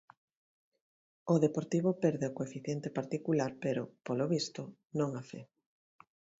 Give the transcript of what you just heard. O Deportivo perde o coeficiente particular, pero, polo visto, non a fe.